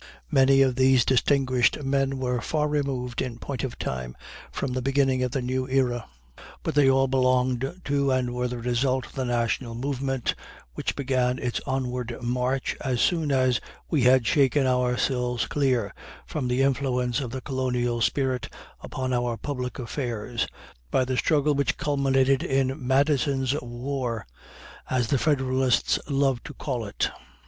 Many of these distinguished men were far removed in point of time from the beginning of the new era, but they all belonged to and were the result of the national movement, which began its onward march as soon as we had shaken ourselves clear from the influence of the colonial spirit upon our public affairs by the struggle which culminated in "Madison's war," as the Federalists loved to call it.